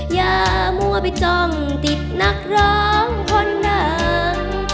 อย่ามั่วไปจ้องติดนักร้องคนหนัง